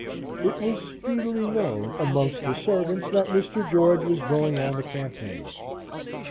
It was speedily known amongst the servants that Mr. George was going on the campaign.